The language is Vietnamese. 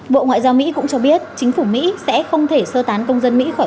bộ ngoại giao mỹ cũng cho biết chính phủ mỹ sẽ không thể sơ tán công dân mỹ khỏi